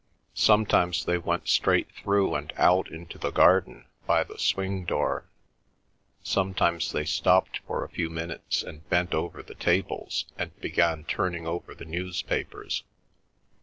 Sometimes they went straight through and out into the garden by the swing door, sometimes they stopped for a few minutes and bent over the tables and began turning over the newspapers.